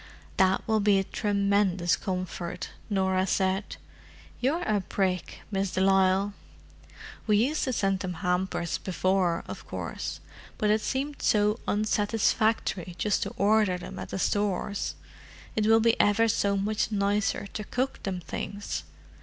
"That will be a tremendous comfort," Norah said. "You're a brick, Miss de Lisle. We used to send them hampers before, of course, but it seemed so unsatisfactory just to order them at the Stores: it will be ever so much nicer to cook them things.